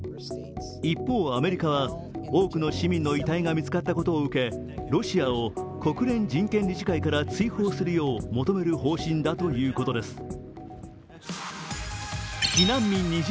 一方、アメリカは多くの市民の遺体が見つかったことを受け、ロシアを国連人権理事会から追放するよう求める方針だということです。